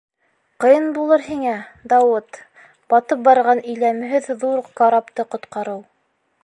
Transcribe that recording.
Ҡыйын булыр һиңә, Дауыт, батып барған иләмһеҙ ҙур карапты ҡотҡарыу.